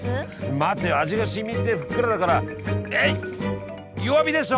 待てよ味がしみてふっくらだからえい弱火でしょ！